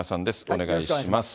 お願いします。